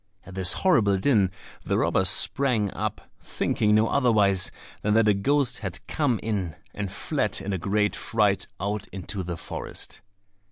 At this horrible din, the robbers sprang up, thinking no otherwise than that a ghost had come in, and fled in a great fright out into the forest.